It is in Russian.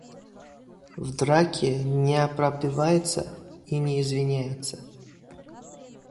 В драке не оправдываются и не извиняются.